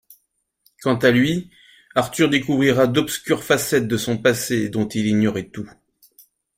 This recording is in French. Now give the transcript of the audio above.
Quant à lui, Arthur découvrira d’obscures facettes de son passé dont il ignorait tout.